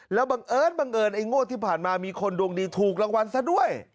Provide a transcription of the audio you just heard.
แล้วบังเอิญบังเอิญไอ้งวดที่ผ่านมามีคนดวงดีถูกรางวัลซะด้วย